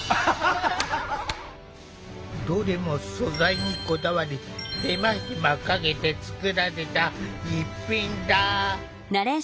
どれも素材にこだわり手間暇かけて作られた逸品だ。